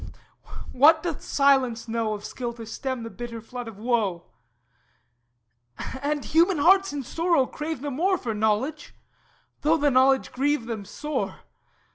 What doth silence know Of skill to stem the bitter flood of woe? And human hearts in sorrow crave the more, For knowledge, though the knowledge grieve them sore.